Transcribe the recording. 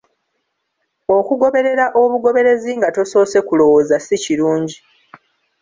Okugoberera obugoberezi nga tosoose kulowooza ssi kirungi.